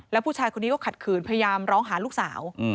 แล้วผู้ชายคนนี้ก็ขัดขืนพยายามร้องหาลูกสาว